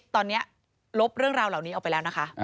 ตอนนี้ลบเรื่องราวเหล่านี้ออกไปแล้วนะคะ